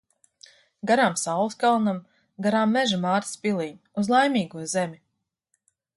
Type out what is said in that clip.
Garām saules kalnam, garām Meža mātes pilij. Uz Laimīgo zemi.